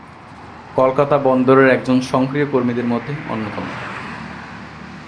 কলকাতা বন্দরের একজন সক্রিয় কর্মীদের মধ্যে অন্যতম।